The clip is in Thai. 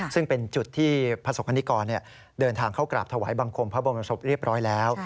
ซึ่งเป็นจุดที่ประสบคณิกรเดินทางเข้ากราบถวายบังคมพระบรมศพเรียบร้อยแล้ว